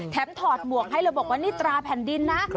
แถมถอดหมวกให้แล้วบอกว่านิตราแผ่นดินนะ